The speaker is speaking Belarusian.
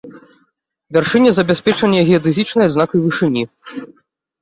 Вяршыня забяспечана геадэзічнай адзнакай вышыні.